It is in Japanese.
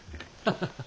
ハハハハ。